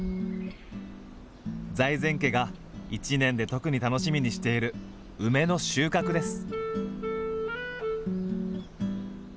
財前家が一年で特に楽しみにしている梅の収穫です。